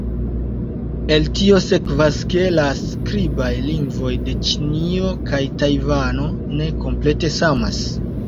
El tio sekvas, ke la skribaj lingvoj de Ĉinio kaj Tajvano ne komplete samas.